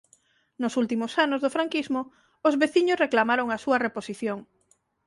Nos últimos anos do franquismo os veciños reclamaron a súa reposición.